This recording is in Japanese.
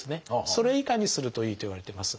それ以下にするといいといわれてます。